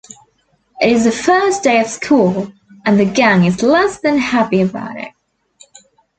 It is the first day of school, and the gang is less-than-happy about it.